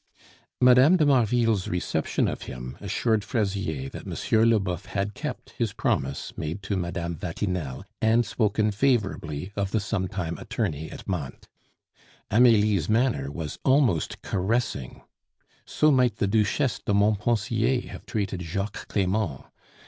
Mme. de Marville's reception of him assured Fraisier that M. Leboeuf had kept his promise made to Mme. Vatinelle and spoken favorably of the sometime attorney at Mantes. Amelie's manner was almost caressing. So might the Duchesse de Montpensier have treated Jacques Clement.